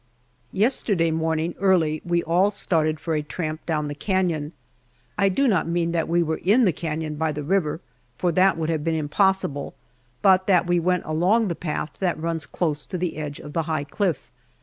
Yesterday morning early we all started for a tramp down the canon. I do not mean that we were in the canon by the river, for that would have been impossible, but that we went along the path that runs close to the edge of the high cliff.